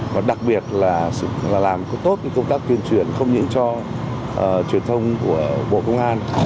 và đặc biệt là sự làm tốt công tác tuyên truyền không những cho truyền thông của bộ công an